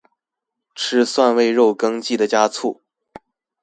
吃蒜味肉羹記得加醋